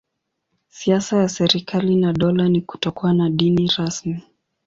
Siasa ya serikali na dola ni kutokuwa na dini rasmi.